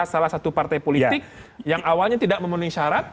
salah satu partai politik yang awalnya tidak memenuhi syarat